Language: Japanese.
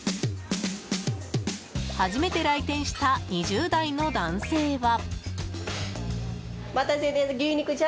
初めて来店した２０代の男性は。